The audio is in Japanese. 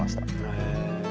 へえ。